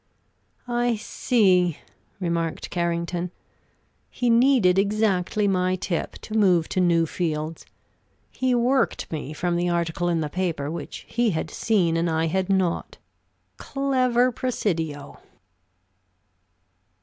"I see," remarked Carrington. "He needed exactly my tip to move to new fields. He worked me from the article in the paper, which he had seen and I had not. Clever Presidio!"